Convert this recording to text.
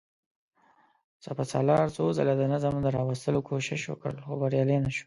سپهسالار څو ځله د نظم د راوستلو کوشش وکړ، خو بريالی نه شو.